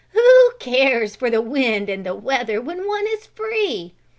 Who cares for the wind and weather when one is free?